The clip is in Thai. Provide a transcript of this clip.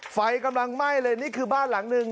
ไฟกำลังไหม้เลยนี่คือบ้านหลังหนึ่ง